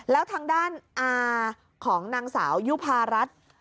แล้วทางด้านอาของนางสาวยุภารัฐ